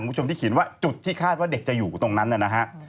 คุณผู้ชมที่เขียนว่าจุดที่คาดว่าเด็กจะอยู่ตรงนั้นนะฮะ